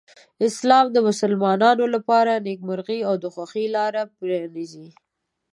اسلام د مسلمانانو لپاره د نېکمرغۍ او خوښۍ لاره پرانیزي.